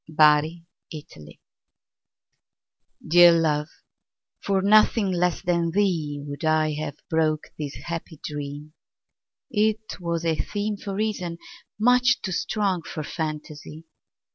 The Dream DEAR love, for nothing less than theeWould I have broke this happy dream; It was a themeFor reason, much too strong for fantasy.